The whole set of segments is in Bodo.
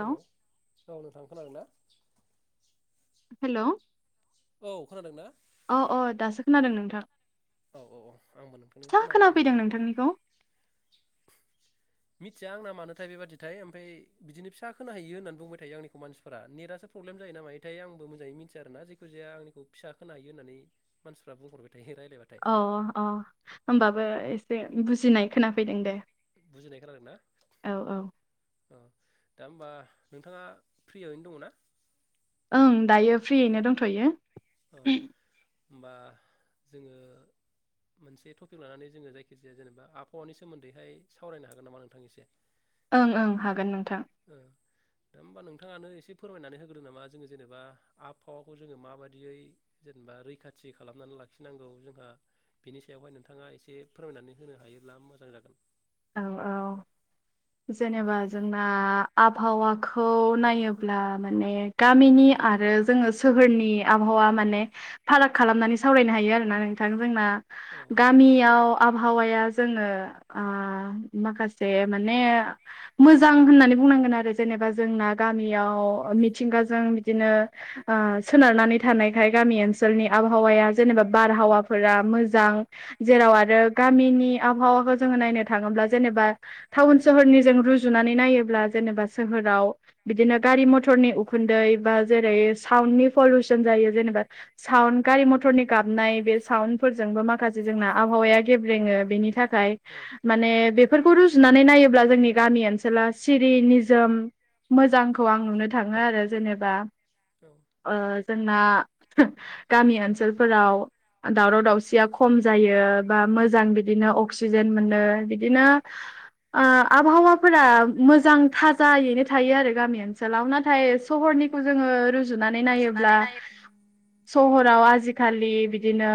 हेलौ औ नोंथां खोनादों ना? हेल'? औ खोनादों ना? अ अ दासो खोनादों नोंथां। औ औ औ आंबो नोंथांनो फिसा खोनागासिनो खोनाफैदों दं दे। नोंथांनिखौ मिथिया आंना मानोथाय बेबादिथाय ओमफ्राय बिदिनो फिसा खोन हायो होननानै बुंबाय थायो आंनिखौ मानसिफोरा नेटआ सोब प्रब्लेम जायो ना मायोथाय आंबो मोजाङै मिन्थिया आरोन जख जाया आंनिखौ फिसा खोनो हायो होननानै मानसिफोरा बुंहरबाय थायो रायज्लायबाय थाय अ अ होमबाबो एसे बुजिनाय खोनाफैदों दे औ औ। औ दा होमबा नोंथाङा फ्रियावनो दङ ना? ओं दायो फ्रियैनो दायो दंथ'यो फ्रियैनो दंथयो औ हबा जोङो मोनसे टपिक लानानै जोङो जायखिजाया जेनेबाबहावानि सोमोन्दैहाय सावरायनो हागोन नामा नोंथांनि एसे। ओं ओं हागोन नोंथां। ओ दा होमबा नोंथाङानो एसे फोरमायनानै होग्रो नामा जोङो जेनेबा आबहावाखौ जोङो माबायदियै। जेनेबा रैखाथि खालामनानै लाखिनांगौ जोंहा। बिनि सायावहाय नोंथाङा एसे फोरमायनानै होनो हायोब्ला मोजां जागोन। औ औ जेनेबा जोंना आबहावाखौ नायोब्ला माने गामिनि आरो जोङो। सोहोरनि आबहावा माने फाराग खालामनानै सावरायनो हायो आरोना नोंथां जोंना। औ गामियाव आबहावाया जोङो। माखासे माने मोजां होननानै बुंनांगोन आरो जेनेबा जोंना गामियाव मिथिंगाजों बिदिनो। सोनारनानै थानायखाय गामि ओनसोलनि आबहावाया जेनेबा बारहावाफोरा मोजां। जेराव आरो गामिनि आबहावाखौ जोङो नायनो थाङोब्ला जेनेबा टाउन सोहोरनि जों रुजुनानै नायोब्ला जेनेबा सोहोराव। बिदिनो गारि मथरनि उखुन्दै बा जेरै--साउडनि पलिउसन जायो जेनेबा साउन्ड गारि मटरनि गाबनाय बे साउन्डफोरजोंबो माखासे जोंना आबहावाया गेब्रेङो बेनि थाखाय ना औ माने बेफोरखौ रुजुनानै नायोब्ला जोंनि गामि ओनसोला सिरि निजोम। मोजांखौ आं नुनो थाङो आरो जेनेबा। औ। जोंना गामि ओनसोलफोराव। दावराव दावसिया खम जायो बा मोजां बिदिनो अक्सिजेन मोनो बिदिनो। ओ आबहावाफोरा मोजां थाज जायैनो थायो आरो गामि ओनसोलाव नाथाय सहरनिखौ जोंङो। गुजुनानै नायोब्ला रुजुनानै नायो सहराव आजिखालि बिदिनो।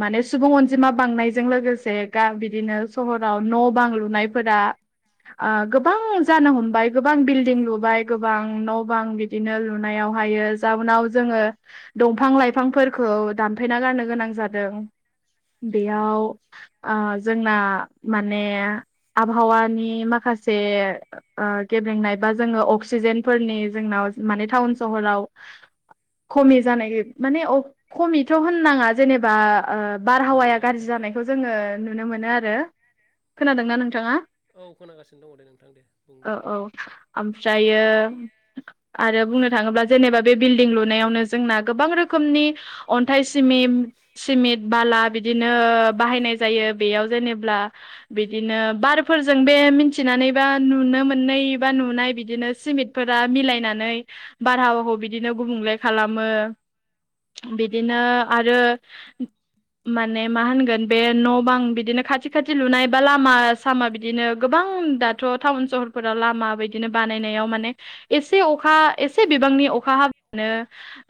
माने सुबुं अनजिमा बांनायजों लोगोसे दा बिदिनो सहराव न' बां लुनायफोरा गोबां जानो हमबाय। गोबां बिल्दिं लुबाय गोबां न' बां बिदिनो लु हायो जाउनाव जोङो दंफां लाइफांफोरखौ। दानफेना गारनो गोनां जादों उम बेयाव। जोंना माने आबहावानि माखासे गेब्लेंनाय बा जोङो अक्सिजेन फोरनि जोंनाव माने टाउन सहराव खमि जानाय माने खमिथ' होननाङा जेनेबा। बारहावाया गुबुंनायनि गाज्रि थाखाय जानायखौ जोङो नुनो मोनो आरो खोनादोंना नोंथाङा। औ खोनागासिनो दङ दे नोंथां दे बुं औ दे औ उम ओमफ्रायो। आरो बुं थाङोब्ला जेनेबा बे बिल्डिं लुनायावनो जोंना गोबां रोखोमनि अन्थाइ सिमि। सिमेन्ट बाला बिदिनो बाहायनाय जायो बेयाव जेनेब्ला। बिदिनो बारफोरजों बे मिथिनानैबा नुनो मोननै बा नुनाय बिदिनो सिमेन्ट। फोर मिलायनानै बारहावाखौ बिदिनो गुबुंले खालामो। बिदिनो आरो माने मा होनगोन बे न' बां बिदिनो खाथि खाथि लुनाय बा लामा आसामा बिदिनो गोबां दा थ' टाउन सहरफोराव लामा बिायदिनो बानायनायाव माने एसे अखा एसे बिबांनि अखा हाबानो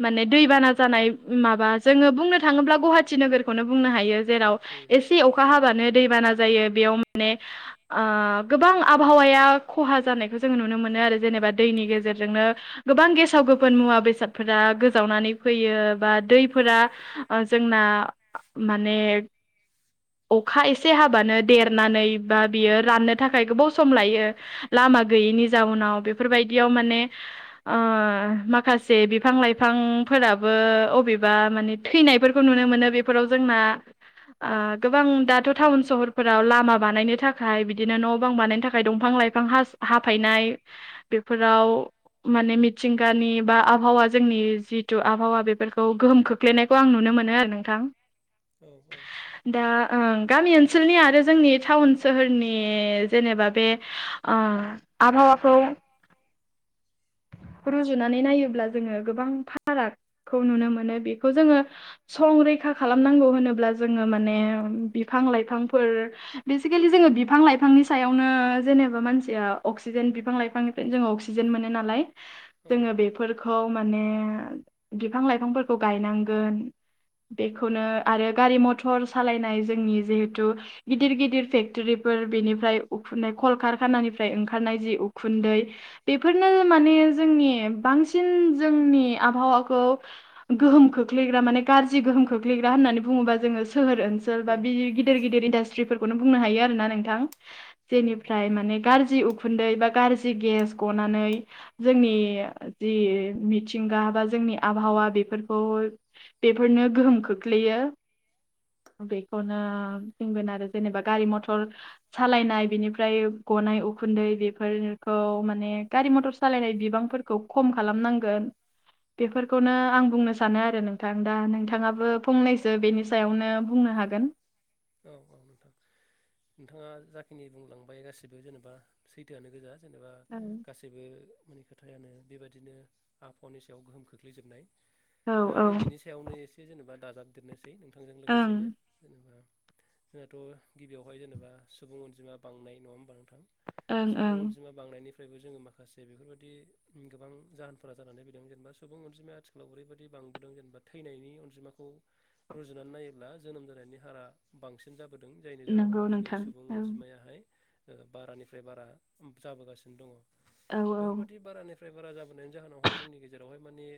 माने दैबाना जानाय। माबा जोङो बुंनो थाङोब्ला गुवाहाटिी नोगोरखौनो बुंनो हायो जेराव ए ए अखा हाबानो दैबाना जायो बेयाव माने गोबां आबहावाया खहा जानायखौ जोङो नुनो मोनो आरो जेनेबा दैनि गेजेरजोंनो गोबां गेसाव गोफोन मुवा बेसादफोरा गोजावनानै फैयो बा दैफोरा जोंना माने अखा एसे एसे हाबानो देरनानै बा बियो राननो थाखाय गोबाव सम लायो लामा गैयिनि जाउनाव बेफोरबायदियाव माने माखासे बिफां लाइफांफोराबो अबेबा माने थैनायफोरखौ नुनो मोनो बे ाव जोंना गोबां थ' टाउन सहरफोराव लामा बानायनो थाखाय बिदिनो न' बां बानायनो थाखाय दंफां लाइफां हा-हाफायनाय बेफोराव माने मिथिंगानि बा आबहावा जोंनि जिथु आबहावा बेफोरखौ गोहोम खो खोलैनायखौ आं नुनो मोनो आरो नोंथां। उम औ औ दा ओ गामि ओनसोलनि आरो जोंनि टाउन सोहोरनि जेनेबा बे ओ आबहावाखो आरोनो रुजुनानै नायोब्ला जोङो गोबां फारागखौ नुनो मोनो बेखौ जोङो संरैखा खालामनांगौ होनोब्ला जोङो माने बिफां लाइफांफोर बेसिकेलि जोङो बिफां लाइफांनि सायावनो जेनेबा मानसि अक्सिजेन बिफां लाइफांनि जो अक्सिजेन मोन नाल औ जों उम बे फोरखौ माने बिफां लाइफांफोरखौ गायनांगोन। बेखौनो आरो गारि मथर सालायनाय जोंनि जिहेथु गिदिर गिदिर फेक्ट'रिफोर बेनिफ्राय उखुन्दै कलकारखानानिफ्राय ओंखारनाय जि उखुन्दै बेफोरनो माने जोंनि बांसिन जोंनि आबहावाखौ गोहोम खोख्लैग्रा माने गाज्रि गोहोम खोख्लैग्रा होननानै बुङोबा जोङोह ओन ओनस बा गिदिर गिदिर इडास्ट्रिफोरखौनो बुंनो हायो आरोोना नोंथां। औ जेनिफ्राय माने गाज्रि उखुन्दै बा गाज्रि गेस गनानै जोंनि जि मिथिंगा बा जोंनि आबहावा बेफोरखौ बेफोरनो गोहोम खोख्लैयो। बेखौनो बुंगोन आरो जेनेबा गारि मथर सालायनाय बिनिफ्राय गनाय उखुन्दै बेफोरखौ माने गारि मथर सालायनाय बिबांफोरखौ खम खालामनांगोन। बेफोरखौनो आं बुंनो सानो आरो नोंथां दा नोंथाङाबो फंनैसो बेनि सायावनो बुंनो हागोन। औ औ नोंथां नोंथाङा जाखिनि बुंलांबाय गासिबो जेनेबा सैथोआनो गोजा। जेनेबा ओं गास गेबो माने खोथायानो बेबायदिनो आबहावानि सायाव गोहोम खोख्लैजोबनाय। औ दा आंबो बिनि सायावनो एसे जेनेबा दाजाबदेरनोसै नोंथांजों ओं लोगोसेनो जेनेबा जोंहाथ' गिबियावहाय जेनेबा सुबुं अनजिमा बांनाय नङाहोनबा नोथां ओं सुबुं ओं अनजिमा। बांनायनिफ्रायबो जोङो माखासे बेफोरबायाददि गोबां जाहोनफोरा जानानै फैदों जेनेबा सुबुं अनजिमाया आथिखालाव ओरैबायदि बांबोदों जेनेबा थैनायनि अनजिमाखौ रुजुनानै नायोब्ला जोनोम जानायनि हारा। बांसिन जाबोदों जायनि नंगौ जाहोनावहाय दिनै नोंथां सुबुं औ अनजिमायाहाय बारानिफ्राय बारा जाबोगासिनो दङ औ बेफोरबायाददि बारानिफ्राय फ्राय बारा जाबोनायनि जाहोनावहाय जोंनि गेजेरावहाय माने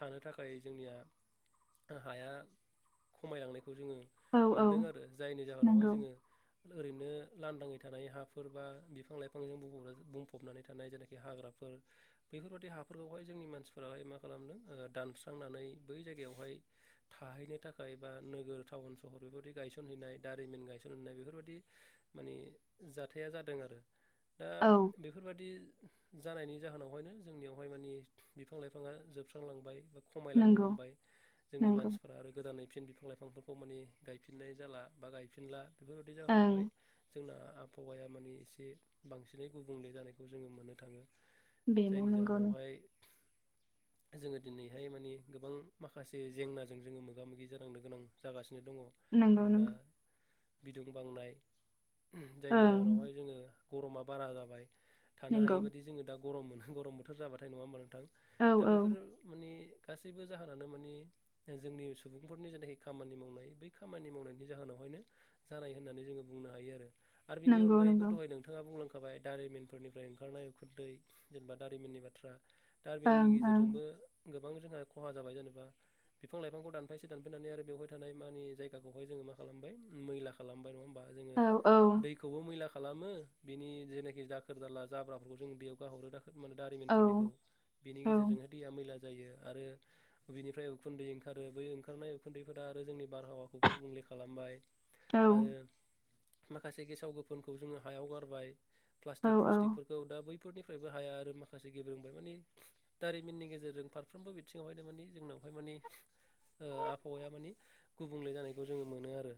थानो थाखाय जोंनिया हाया खमायलांनायखौ जोङो औ औ मोनदों आरो जायनि जाहोनावहाय नंगौ जोङो ओरैनो लांदाङै थानाय हाफोर बा बिफां लाइफांजों बुं बुंफबनानै थानाय जायनाखि हाग्राफोर बैफोरबायि हाफोरखौहाय जोंनि मानसिफोराहाय मा खालामदों दानस्रांनानै बै जायगायावहाय थाहैनो थाखाय बा नोगोर टाउन सहर बेबायदि गायसनहैनाय दारिमिन गायसनहनाय बेफोरबायादि माने जाथाया जादों आरो दा औ बे बेफोरबायदि जानायनि जाहोनावहायनो जोंनियावहाय मानि बिफां लाइफांङा जोबस्रांलांबाय बा खमायलांनो नंगौ हमबाय जोंनि नंगौ मानसिफ्रा आरो गोदानै फिन बिफां लाइफांफोरखौ माने गायफिननाय जाला बा गायफिनला बेफोरबायदि जाहोनावहाय ओं जोंना आबहावाया मानि एसे बांसिनै गुबुंले जानायखौ जोंङो मोननो थांङो। बेनो जायनि नंगौ नों- जाहोनावहाय जोङो दिनैहाय मानि गोबां माखासे जेंनाजों जोंङो मोगा मोगि जानांनो गोनां जागासिनो दंङ। नंगौ जेनेबा नंगौ बिदुं बांनाय जायनि ओं जाहोनावहाय जोंङो गरमा बारा जाबाय थानो नंगौ हायि बायदि जोंङो दा गरम मोनो गरम बोथोर जाबाथाय नङा होमबा नोंथां। औ दा औ बेफोरो माने गासैबो जाहोनानो मानि जोंनि सुबुंफोरनि जेनाखि खामानि मावनाय बै खामानि मावनायनि जाहोनावहायनो जानाय होननानै जोंङो बुंनो हायो आरो आरो बिनि नंगौ अनगायैबो नंगौ दहाय नोंथां नोंथाङा बुंलांखाबाय दारिमिनफोरनिफ्राय ओंखारनाय उखुन्दै जेनेबा दारिमिननि बाथ्रा टाबिननि ओं ओं गेजेरजोंबो गोबां जोंहा खहा जाबाय जेनेबा बिफां लाइफांखौ दानफायसे दानफायनानै आरो बेवहाय थानाय मानि जाय बिखौहाय जोंङो मा खालामबाय मैला खालामबाय नङा होमबा जोंङो औ औ दैखौबो मैला खालामो बिनि जेनाखि दाखोर दाला जाब्राफोरखौ जों बेयाव गाहरोना औ दारिमिनफोरनिखौ बिनि औ गेजेरजोंहाय दैया मैला जायो आरो बिनिफ्राय उखुन्दै ओंखारो बै ओंखारनाय उखुन्दैफोरा आरो जोंनि बारहावा गुबुंले खालामबाय औ आरो माखासे गेसाव गोफोनखौ जोङो हायाव गारबाय औ प्लास्टिक औ फल्टि दा बैफोरनिफ्रायबो हाया आरो माखासे गेब्रेंबाय माने दारिमिननि गेजेरजों फारफ्रोमबो बिथिंङाव हायमाने जोंनावहाय मानि आबहावाया मानि गुबुंले जानायखौ जोंङो मोनो आरो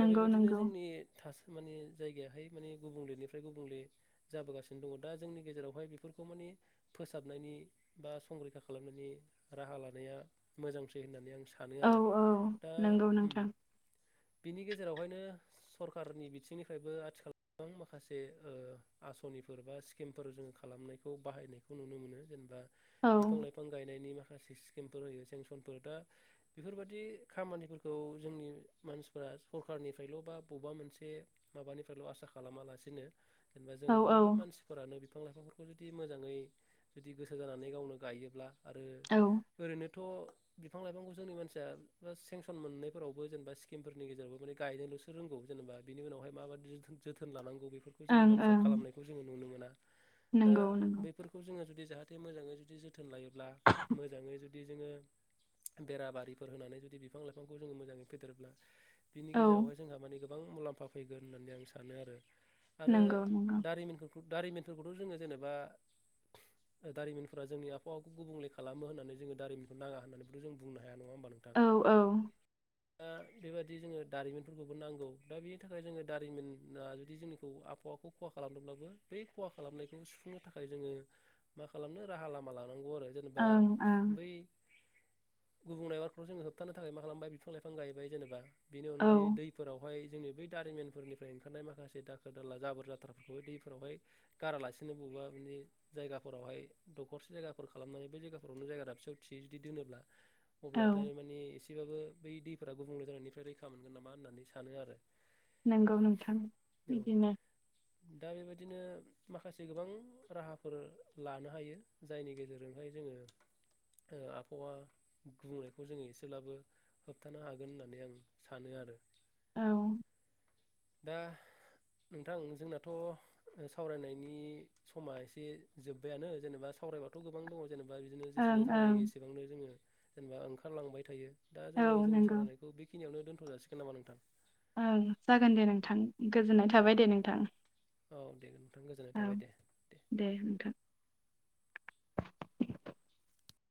दा बेबादिनो नंगौ जोंनि थास माने जायगायाहाय माने गुबुंलेनिफ्राय गुबुंले जाबोगासिनो दङ दा जोंनि गेजेरावहाय बेफोरखौ माने फोसाबनायनि बा संरैखा खालामनायनि राहा लानाया मोजांसै होननानै आं सानो औ आरो औ दा नंगौ उम नोंथां बिनि गेजेरावहायनो सरखारारनि बिथिंनिफ्रायबो आथिखाल गोबां माखासे आसनिफोर बा स्किमफोर जोंङो खालामनायखौ बाहायनायखौ नुनो मोनो जेनेबा औ बिफां लाइफां बिफां गायनायनि माखासे स्किमफोर होयो सेंसनफोर दा बेफोरबायदि खामानिफोरखौ खौ जोंनि मानसिफोरा सरखारारनिफ्रायल' बा बबेबा मोनसे- माबानिफ्रायल' आसा खालामालासिनो जेनेबा जों औ औ बयबो मानसि- फोरानो बिफां लाइफांफोरखौ जुदि मोजांङै जुदि गोसो जानानै गावनो गायोब्ला आरो- औ ओं ओरैनोथ' बिफां लाइफांखौ जोंनि मानसिया- मोननायफोरावबो जेनबा स्कमफोरनि गेजेरावबो गायनोल'सो रोंगौ जेनेबा बि उनावहाय माबादि- जोथोन लानांगौ बेफोरखौ- जोंनि मानसिया ओं खालामनायखौ जोंङो नुनो मोना दा नंगौ नंगौ बेफोरखौ जोंङो जुदि जाहाथे मोजांङै जुदि जों जोथोन लायोब्ला मोजांङै जुदि जोंङो बेरा बारिफोर होनानै जुदि बिफां लाइफां जों मोजांङै फेदेरोब्ला बिनि औ गेजेरावहाय जोंहा माने गोबां- गोबां मुलाम्फा फैगोन होननानै आं सानो आरो आरो नंगौ नंगौ दारिमिनखौ दारिमिनफोरखौथ' जोंङो जेनेबा दारिफोरा जोंनि आबहावाखौ गुबुंले खालामो होननानै जोंङो दारिमिनखौ नाङा होननानैबोथ' जों बुंनो हाया नङा होमबा नोंथां औ औ- दा बेबायदि जोंङो दारिमिनफोरखौबो नांगौ दा बेनि थाखाय जोङो दारिमिना जुदि जोंनिखौ आबहावाखौ- खहा खालामदोंब्लाबो बे खहा खालामनायखौ सुफुंनो थाखाय जोंङो- मा खालामनो राहा लामा लानांगौ आरो जे- जेनेबा ओं बै गुबुंनाय बारखौ जोंङो होबथानो- थाखाय मा खालामबाय बिफां लाइफां गायबाय जेनेबा बेनि अनगायै दैफोरावहाय जोंनि बै दारिमिन- फोरनिफ्राय ओंखारनाय माखासे दाखोर दाला जाबोर जाथ्राफोरखौ दैफोरावहाय गारालासिनो बबेबा माने जायगाफोरावहाय दखरसे जायगाफोर खालामनानै बे जायगाफोरावनो जायगा दाबसे थियै जुदि दोनोब्ला औ औ अब्लाथाय मानि एसेबाबो बै दैफोरा गुबुंले जानायनिफ्राय रैखा मोनगोन नामा होननानै सानो आरो। नोंगौ नोंथां औ बिदिनो दा बेबायदिनो माखासे गोबां राहाफोर लानो हायो जायनि गेजेरजोंहाय जोङो। ओ आबहावा गुबुंनायखौ जोङो एसेब्लाबो। होबथानो हागोन होननानै आं सानो आरो। औ। दा नोंथां जोंनाथ' ओ सावरायनायनि समा एसे जोब्बायानो जेनेबा सावरायबाथ' गोबां दङ जेनेबा बिदिनो जेसेनो ओं सावरायो एसेबांनो जोङो जेनेबा ओंखारलांबाय थायो दा जोङो औ जोंनि नंगौ सावरायनायखौ बेखिनियावनो दोनथ' जासिगोन नामा नोंथां? ओं जागोन दे नोंथां गोजोननाय औ थाबाय औ दे नोंथां औ दे नोंथां गोजोननाय औ थाबाय दे दे नोंथां